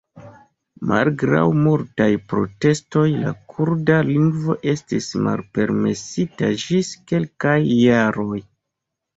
Malgraŭ multaj protestoj la kurda lingvo estis malpermesita ĝis kelkaj jaroj.